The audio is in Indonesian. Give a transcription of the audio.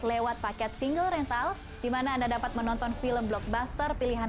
jika anda ingin mendapatkan simulasi